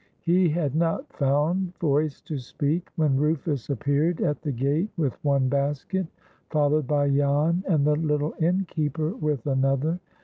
He had not found voice to speak, when Rufus appeared at the gate with one basket, followed by Jan and the little innkeeper with another.